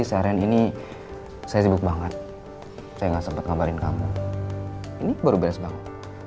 seharian ini saya sibuk banget saya nggak sempat ngabarin kamu ini baru beres banget